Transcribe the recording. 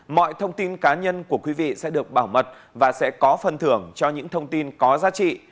mọi thông tin cá nhân của quý vị sẽ được bảo mật và sẽ có phần thưởng cho những thông tin có giá trị